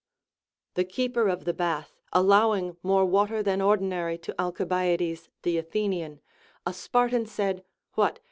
The keeper of the bath allowing more water than ordinary to Alcibiades the Athenian, a Spartan said, AVliat